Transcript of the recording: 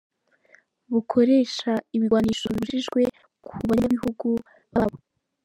bukoresha ibigwanisho bibujijwe ku banyagihugu babo.